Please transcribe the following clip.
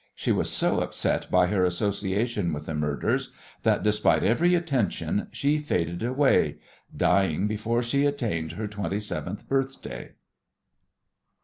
She was so upset by her association with the murderers that despite every attention she faded away, dying before she attained her twenty seventh birthday.